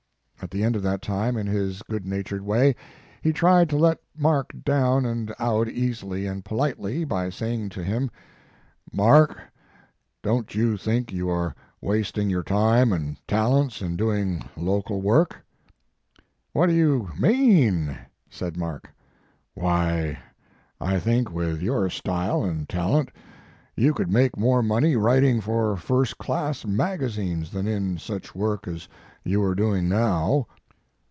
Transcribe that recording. At the end of that time, in his good natured way, he tried to let Mark down and out easily and politely, by saying to him, "Mark, don t you think you are wasting your time and talents in doing local work?" "V/hat do you mean?" said Mark. "Why, I think with your style and talent you could make more money writing for first class magazines than in such work as you are doing now."